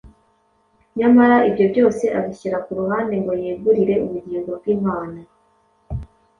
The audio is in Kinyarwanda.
Nyamara ibyo byose abishyira ku ruhande ngo yegurire ubugingo bwe Imana,